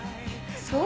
そう？